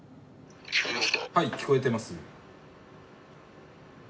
はい聞こえてます。